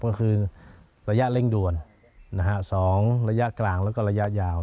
ก็คือระยะเร่งด่วน๒ระยะกลางแล้วก็ระยะยาว